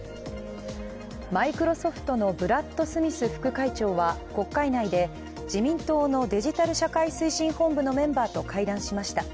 マイクロソフトのブラッド・スミス副会長は国会内で自民党のデジタル社会推進本部のメンバーと会談しました。